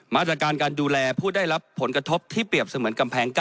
มาตรการการดูแลผู้ได้รับผลกระทบที่เปรียบเสมือนกำแพง๙